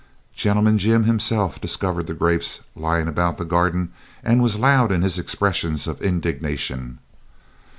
"Gentleman Jim" himself discovered the grapes lying about the garden and was loud in his expressions of indignation.